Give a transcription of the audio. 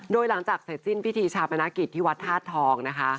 โดยหลังจากเสร็จสิ้นพิธีชาปนกิจที่วัดธาตุทองนะคะ